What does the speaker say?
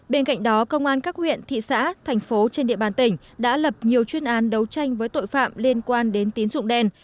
bên cạnh đó công an các huyện thị xã thành phố trên địa bàn tỉnh đã lập nhiều chuyên án đấu tranh với tội phạm liên quan đến tín dụng đen